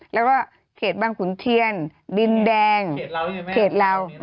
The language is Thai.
แล้วก็เขตบางขุนเทียนดินแดงเขตเรา